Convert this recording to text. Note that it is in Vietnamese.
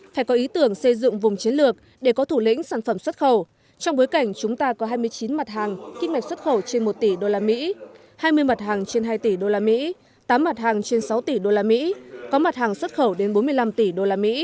phải có ý tưởng xây dựng vùng chiến lược để có thủ lĩnh sản phẩm xuất khẩu trong bối cảnh chúng ta có hai mươi chín mặt hàng kinh mạch xuất khẩu trên một tỷ usd hai mươi mặt hàng trên hai tỷ usd tám mặt hàng trên sáu tỷ usd có mặt hàng xuất khẩu đến bốn mươi năm tỷ usd